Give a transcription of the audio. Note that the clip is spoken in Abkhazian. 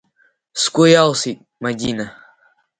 Сгәы иалсит, Мадина!